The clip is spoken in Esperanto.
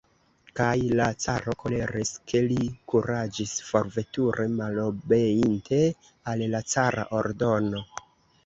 Kaj la caro koleris, ke li kuraĝis forveturi, malobeinte al la cara ordono.